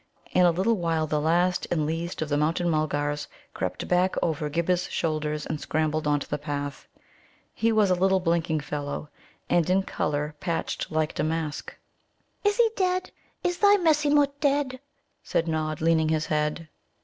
In a little while the last and least of the Mountain mulgars crept back over Ghibba's shoulders and scrambled on to the path. He was a little blinking fellow, and in colour patched like damask. "Is he dead? Is he dead? Is thy 'Messimut' dead?" said Nod, leaning his head.